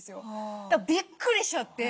びっくりしちゃって。